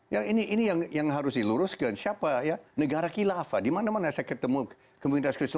yang ini yang harus diluruskan siapa ya negara khilafah dimana mana saya ketemu kemudian